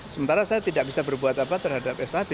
sementara saya tidak bisa berbuat apa terhadap sad